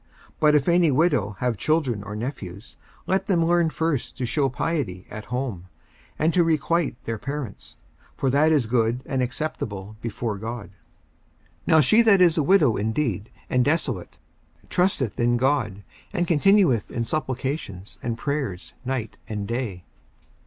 54:005:004 But if any widow have children or nephews, let them learn first to shew piety at home, and to requite their parents: for that is good and acceptable before God. 54:005:005 Now she that is a widow indeed, and desolate, trusteth in God, and continueth in supplications and prayers night and day.